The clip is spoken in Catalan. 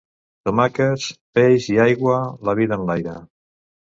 Tomàquets, peix i aigua, la vida enlaire.